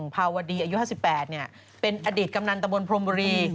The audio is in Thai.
พาวดีอายุ๕๘เนี่ยเป็นอดิษฐ์กำนันตะบนโพรมบุรี